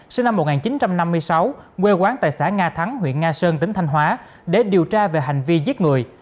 sinh năm một nghìn chín trăm năm mươi sáu quê quán tại xã nga thắng huyện nga sơn tỉnh thanh hóa để điều tra về hành vi giết người